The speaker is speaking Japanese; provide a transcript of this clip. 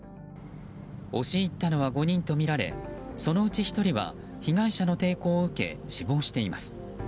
押し入ったのは５人とみられそのうち１人は被害者の抵抗を受け死亡しています。